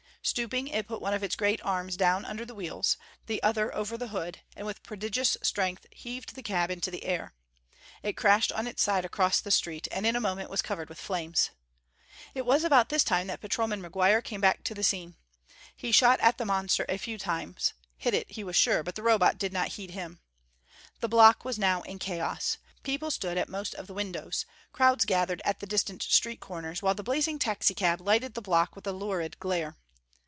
Stooping, it put one of its great arms down under the wheels, the other over the hood, and with prodigious strength heaved the cab into the air. It crashed on its side across the street, and in a moment was covered with flames. It was about this time that Patrolman McGuire came back to the scene. He shot at the monster a few times; hit it, he was sure. But the Robot did not heed him. The block was now in chaos. People stood at most of the windows, crowds gathered at the distant street corners, while the blazing taxicab lighted the block with a lurid glare.